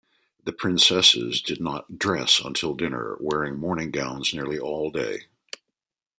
The princesses did not "dress" until dinner, wearing morning gowns nearly all day.